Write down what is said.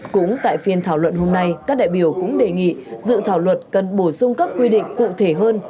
cũng tại phiên thảo luận hôm nay các đại biểu cũng đề nghị dự thảo luật cần bổ sung các quy định cụ thể hơn